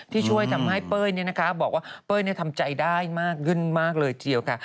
ที่ช่วยทำให้เป้ยบอกว่าเป้ยทำใจได้มากขึ้นมากเลยทีเดียวค่ะ